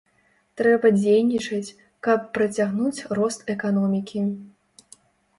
Трэба дзейнічаць, каб працягнуць рост эканомікі.